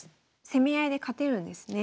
攻め合いで勝てるんですね。